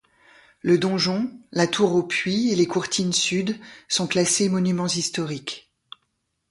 Le donjon, la tour au Puits et les courtines sud sont classés monuments historiques.